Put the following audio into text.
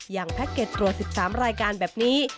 แพ็คเก็ตตรวจ๑๓รายการแบบนี้